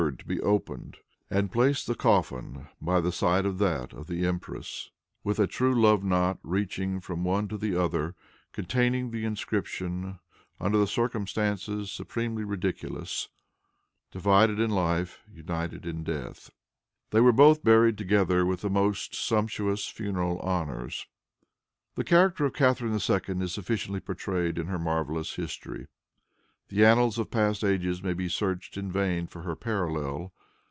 to be opened and placed the coffin by the side of that of the empress, with a true love knot reaching from one to the other, containing the inscription, under the circumstances supremely ridiculous, "divided in life united in death." They were both buried together with the most sumptuous funeral honors. The character of Catharine II. is sufficiently portrayed in her marvelous history. The annals of past ages may be searched in vain for her parallel.